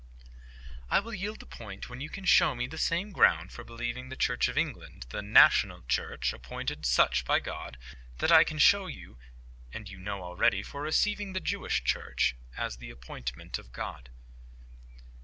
"I will yield the point when you can show me the same ground for believing the Church of England THE NATIONAL CHURCH, appointed such by God, that I can show you, and you know already, for receiving the Jewish Church as the appointment of God."